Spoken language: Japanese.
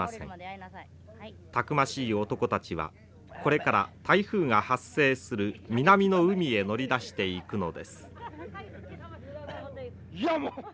たくましい男たちはこれから台風が発生する南の海へ乗り出していくのです。